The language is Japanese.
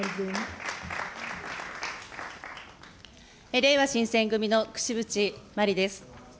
れいわ新選組の櫛渕万里です。